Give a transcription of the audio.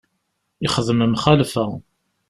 Yexdem mxalfa.